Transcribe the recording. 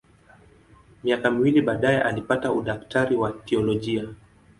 Miaka miwili baadaye alipata udaktari wa teolojia.